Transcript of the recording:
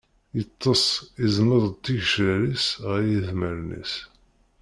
Yeṭṭes, iẓmeḍ-d tigecrar-is ɣer yedmaren-is.